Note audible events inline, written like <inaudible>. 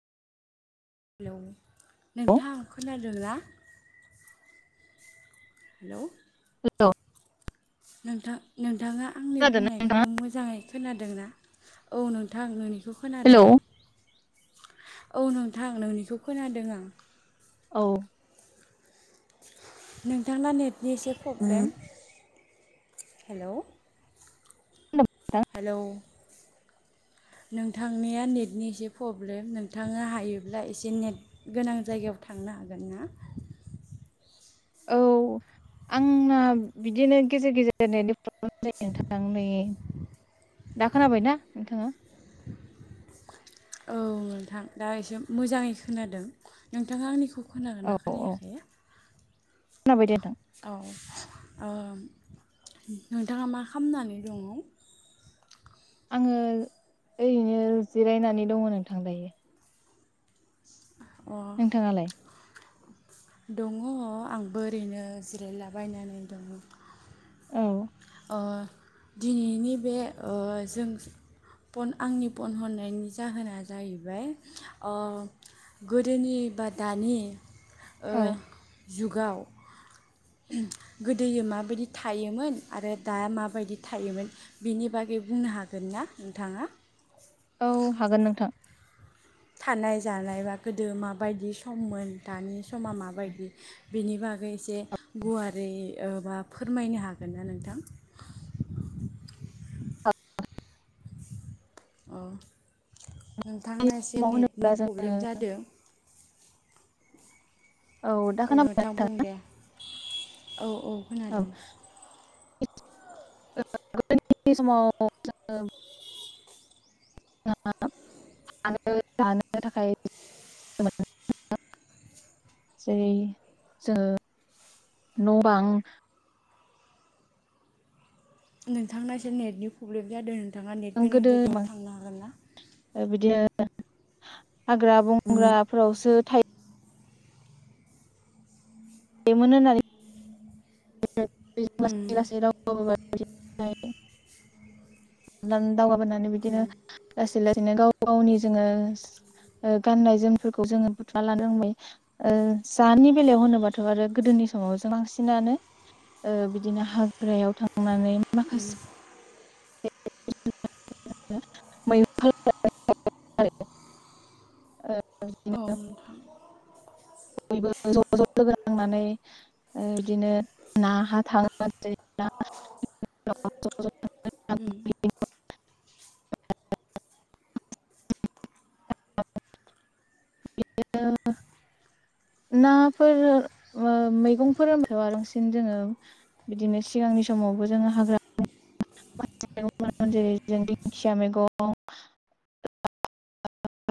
Hello hello नोंथां खोनादोना? Hello नोंथां नोंथाङा आंनि खोनादोंना बुंनायखौ नोंथाङा? मोजाङै खोनादोंना औ नोंथां नोंनिखौ खोनादों हेलौ आं औ नोंथां नोंनिखौ खोनादों आं औ नोंथांना नेटनि एसे प्रब्लेम हेलौ नोंथां हेलौ नोंथांनिया नेटनि एसे पब्लेम नोंथाङा हायोब्ला एसे नेट गोनां जायगायाव थांनो हागोन ना? औ आंना बिदिनो गेजेर गेजेर नेटनि प्रब्लेम जायो नोंथां नै दा खोनाबाय ना नोंथाङा? औ नोंथां दा एसे मोजाङै खोनादों नोंथाङा आंनिखौ औ खोनागोनना औ खोनायाखै? खोनाबाय दे नोंथां औ अ नोंथाङा मा खामनानै दङ? आङो ओरैनो जिरायनानै दङ नोंथां दायो अ नोंथाङालाय? दङ आंबो ओरैनो जिरायलाबायनानै दं। औ ओ दिनैनि बे ओ जों फन आंनि फन हरनायनि जाहोना जाहैबाय ओ गोदोनि बा दानि ओ औ जुगाव गोदोयो माबायदि थायोमोन आरो दा माबायदि थायोमोन बेनि बागै बुंनो हागोन ना नोंथाङा? औ हागोन नोंथां। थानाय जानाय बा गोदो माबायदि सममोन दानि समा माबायदि बेनि बागै एसे गुवारै ओ बा फोरमायनो हागोन ना नोंथां? हा <unintelligible> अ नोंथांना एसे समाव नेटनि होनोब्ला जोङो पब्लेम जादों। औ दा अ खोनाबाय नोंथां बुं दे। औ औ खोनादों। ओ गोदोनि समाव <unintelligible> थानो <unintelligible> जेरै जोङो न' बां नोंथांना एसे नेटनि प्रब्लेम जादों। नोंथाङा नेट गोनां गोदो जायगायाव थांनो हागोन ना? <unintelligible> हाग्रा बंग्राफोरावसो था थायोमोन होननानै <unintelligible> लासै लासै राव <unintelligible> <unintelligible> होननानै बिदिनो लासै ला बिदिनो गाव गावनि जोङो ओ गाननाय जोमफोरखौ जोङो बुथुमना लानो रोंबाय ओ जानि बेलायाव होनोबाथ' आरो गोदोनि समाव जों बांसिनानो ओ बिदिनो हाग्रायाव थांनानै ओम। <unintelligible> <unintelligible> औ बिदिनो <unintelligible> नोंथां बयबो ज ज लोगो नां नांनानै बिदिनो ना हा थांङोमोन। उम। बिदिनो नाफोर मो-मैगंफोर होन बांसिन जोङो बिदिनो सिगांनि समावबो जोङो हाग्रा <unintelligible> जेरै जों दिंखिया मैगं <unintelligible>